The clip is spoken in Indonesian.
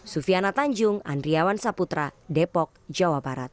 sufiana tanjung andriawan saputra depok jawa barat